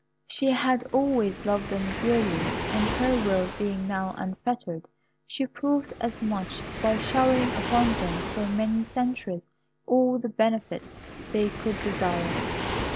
She had always loved them dearly, and her will being now unfettered, she proved as much, by showering upon them for many centuries all the benefits they could desire.